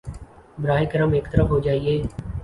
براہ کرم ایک طرف ہو جایئے